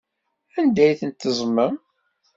Anda ay tent-teẓẓmem?